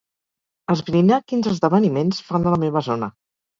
Esbrinar quins esdeveniments fan a la meva zona.